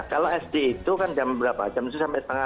kalau sd itu kan jam berapa jam itu sampai tengah dua belas